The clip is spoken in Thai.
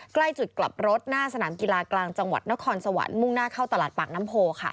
ใกล้จุดกลับรถหน้าสนามกีฬากลางจังหวัดนครสวรรค์มุ่งหน้าเข้าตลาดปากน้ำโพค่ะ